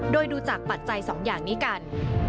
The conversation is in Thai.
โดยดูจากปัจจัยสองอย่างนี้กัน